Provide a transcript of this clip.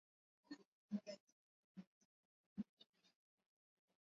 Epuka kuchanganya mifugo katika eneo la kuwanywesha maji na malishoni